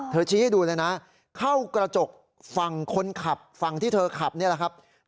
ชี้ให้ดูเลยนะเข้ากระจกฝั่งคนขับฝั่งที่เธอขับนี่แหละครับ